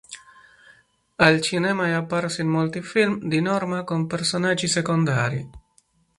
Al cinema è apparsa in molti film, di norma con personaggi secondari.